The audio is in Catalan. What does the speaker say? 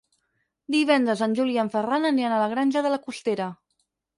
Divendres en Juli i en Ferran aniran a la Granja de la Costera.